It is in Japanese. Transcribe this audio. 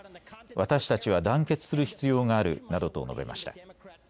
私たちは団結する必要があるなどと述べました。